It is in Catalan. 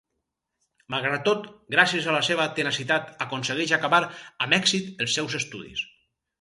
Malgrat tot, gràcies a la seva tenacitat aconsegueix acabar amb èxit els seus estudis.